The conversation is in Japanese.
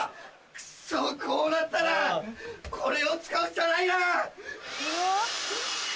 クソこうなったらこれを使うしかないな！